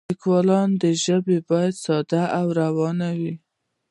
د لیکوال ژبه باید ساده او روانه وي.